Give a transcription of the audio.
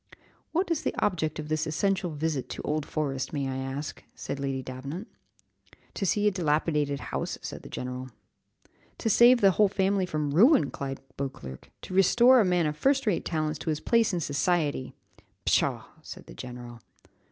"What is the object of this essential visit to Old Forest, may I ask?" said Lady Davenant. "To see a dilapidated house," said the general. "To save a whole family from ruin," cried Beauclerc; "to restore a man of first rate talents to his place in society." "Pshaw!" said the general.